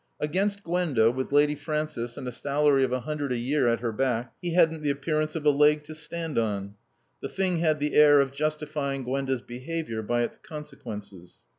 Against Gwenda, with Lady Frances and a salary of a hundred a year at her back, he hadn't the appearance of a leg to stand on. The thing had the air of justifying Gwenda's behavior by its consequences.